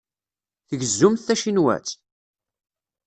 Tgezzumt tacinwat?